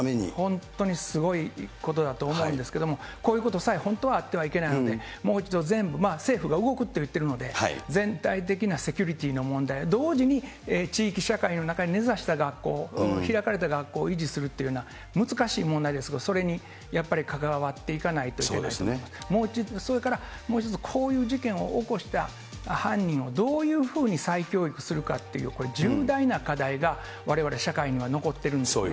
本当にすごいことだと思うんですけども、こういうことさえ本当はあってはいけないはずなので、もう一度全部、政府が動くと言っているので、全体的なセキュリティーの問題、同時に地域社会の中に根ざした学校、開かれた学校を維持するというのは、難しい問題ですが、それにやっぱり関わっていかないといけない、それからもう一つ、こういう事件を起こした犯人はどういうふうに再教育するかという、これ、重大な課題がわれわれ社会には残ってるんですね。